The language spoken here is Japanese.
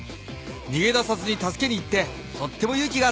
にげ出さずに助けに行ってとってもゆうきがあったよね。